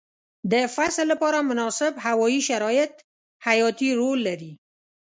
د فصل لپاره مناسب هوايي شرایط حیاتي رول لري.